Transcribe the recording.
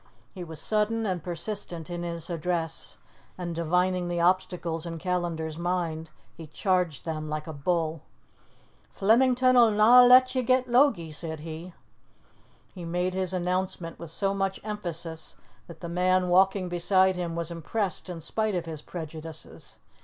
He was sudden and persistent in his address, and divining the obstacles in Callandar's mind, he charged them like a bull. "Flemington 'll na let ye get Logie," said he. He made his announcement with so much emphasis that the man walking beside him was impressed in spite of his prejudices.